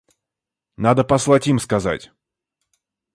Надо послать им сказать.